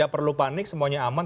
panik semuanya aman